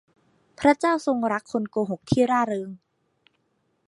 พระเจ้าทรงรักคนโกหกที่ร่าเริง